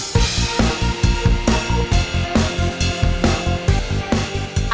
atau cuma rasa denci doang yang ada